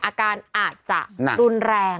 อาการอาจจะรุนแรง